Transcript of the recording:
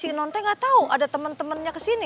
si enonte nggak tahu ada temen temennya ke sini